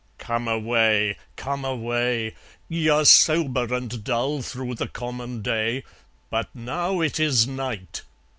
Come away! Come away! Ye are sober and dull through the common day, But now it is night!